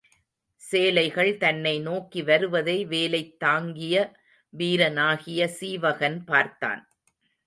சேலைகள் தன்னை நோக்கி வருவதை வேலைத் தாங்கிய வீரனாகிய சீவகன் பார்த்தான்.